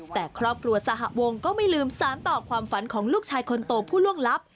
แต่ครอบครัวสหวงก็ไม่ลืมสารต่อความฝันของลูกชายคนโตผู้ล่วงลับ